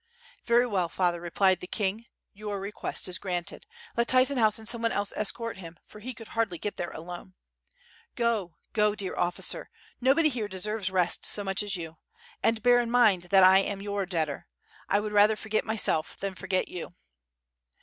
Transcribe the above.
"Very well, P'ather," replied the king, "your reijuot is granted. Let Tyzenhauz and some one else escort him, for he could hardly get there alone. Go, go, dear ofTicer, nobody here deserves rest so much as you. And bear in mind that I am your debtor. I would rather forget myself, than forget you."